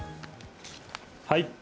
はい。